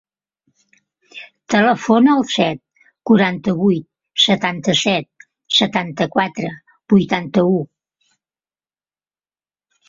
Telefona al set, quaranta-vuit, setanta-set, setanta-quatre, vuitanta-u.